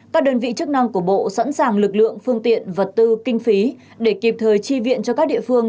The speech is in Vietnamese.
các đơn vị chức năng của bộ sẵn sàng lực lượng phương tiện vật tư kinh phí để kịp thời tri viện cho các địa phương